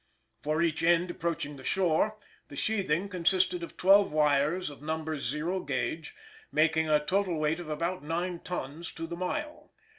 For each end approaching the shore, the sheathing (see Fig. 9) consisted of twelve wires of No. 0 gauge, making a total weight of about nine tons to the mile.